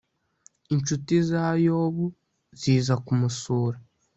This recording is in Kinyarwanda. incuti za yobu ziza kumusura